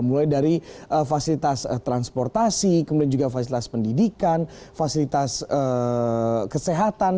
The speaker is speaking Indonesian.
mulai dari fasilitas transportasi kemudian juga fasilitas pendidikan fasilitas kesehatan